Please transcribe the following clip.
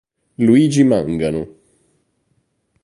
Luigi Mangano